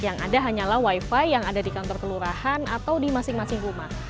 yang ada hanyalah wifi yang ada di kantor kelurahan atau di masing masing rumah